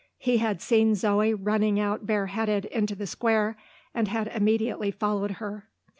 He had seen Zo running out bare headed into the Square, and had immediately followed her.